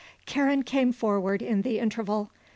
Karen came forward in the interval.